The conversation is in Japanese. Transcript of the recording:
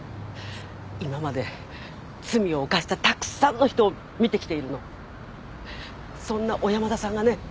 今まで罪を犯したたくさんの人を見てきているのそんな小山田さんがね